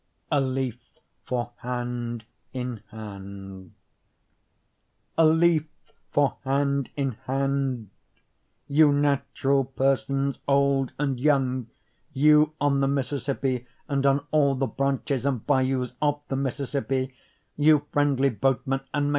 A Leaf for Hand in Hand A leaf for hand in hand; You natural persons old and young! You on the Mississippi and on all the branches and bayous of the Mississippi! You friendly boatmen and mechanics!